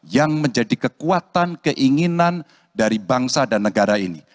yang menjadi kekuatan keinginan dari bangsa dan negara ini